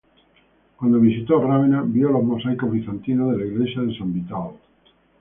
Cuando visitó Rávena vio los mosaicos bizantinos de la iglesia de San Vital.